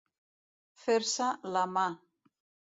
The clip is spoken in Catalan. Fer-se la mà.